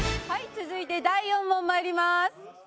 「続いて第４問まいります」